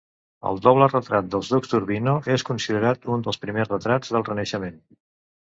El doble retrat dels ducs d'Urbino és considerat un dels primers retrats del Renaixement.